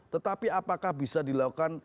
tetapi apakah bisa dilakukan